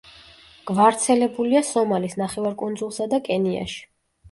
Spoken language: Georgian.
გვარცელებულია სომალის ნახევარკუნძულსა და კენიაში.